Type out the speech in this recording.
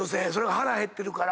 腹減ってるから。